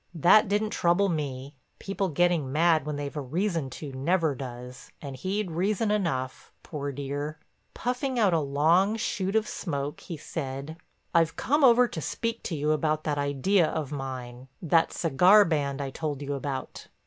That didn't trouble me; people getting mad when they've a reason to never does, and he'd reason enough, poor dear. Puffing out a long shoot of smoke, he said: "I've come over to speak to you about that idea of mine—that cigar band I told you about."